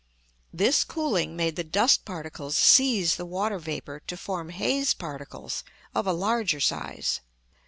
This cooling made the dust particles seize the water vapour to form haze particles of a larger size.